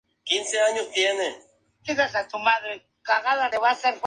Las precipitaciones de nieve son raras al igual que las temperaturas bajo cero.